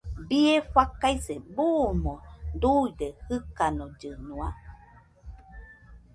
Bie faikase buuno duide jɨkanollɨnua.